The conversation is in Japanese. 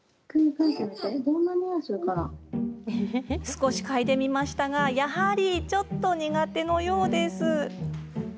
少し嗅いでみましたがやはりちょっと苦手のようです。